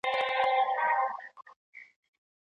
دا مجلس د ملي ارزښتونو ساتونکی دی.